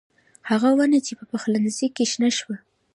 هغه ونه چې په پخلنخي کې شنه شوه